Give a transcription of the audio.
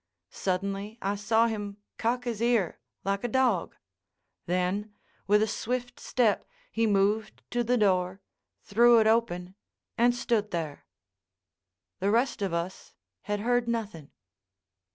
Suddenly I saw him cock his ear, like a dog. Then, with a swift step, he moved to the door, threw it open, and stood there. The rest of us had heard nothing.